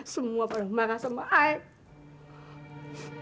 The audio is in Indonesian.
semua pada marah sama saya